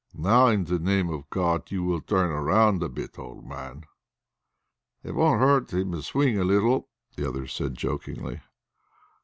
"Now, in the name of God! you will turn round a bit, old man." "It won't hurt him to swing a little," said others jokingly.